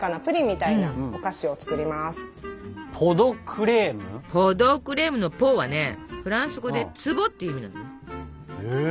ポ・ド・クレームの「ポ」はねフランス語で「壺」っていう意味なのね。